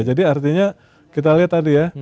jadi artinya kita lihat tadi ya